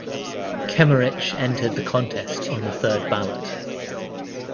Kemmerich entered the contest on the third ballot.